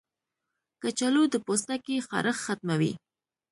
کچالو د پوستکي خارښ ختموي.